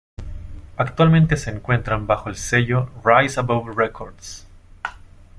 Actualmente se encuentran bajo el sello Rise Above Records.